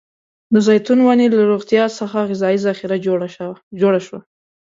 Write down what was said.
د زیتون ونې له روغتيا څخه غذايي ذخیره جوړه شوه.